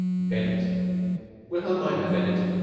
"Bennett!" "Wilhelmina Bennett.